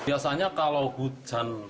biasanya kalau hujan